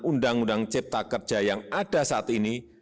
undang undang cipta kerja yang ada saat ini